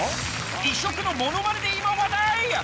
異色のものまねで今話題。